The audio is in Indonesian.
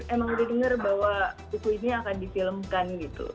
emang udah denger bahwa buku ini akan difilmkan gitu